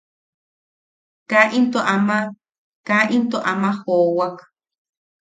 Kaa into ama kaa into ama joowak.